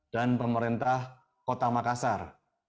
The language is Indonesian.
dan pemerintah kota makassar